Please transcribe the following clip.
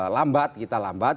lambat kita lambat